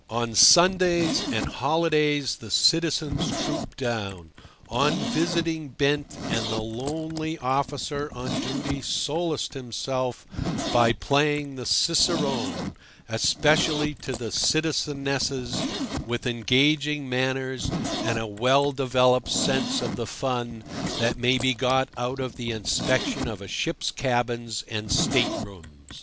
On Sundays and holidays the citizens trooped down, on visiting bent, and the lonely officer on duty solaced himself by playing the cicerone—especially to the citizenesses with engaging manners and a well developed sense of the fun that may be got out of the inspection of a ship's cabins and state rooms.